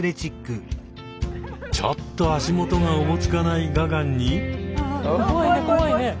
ちょっと足元がおぼつかないガガンに。